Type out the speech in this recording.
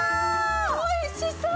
おいしそう！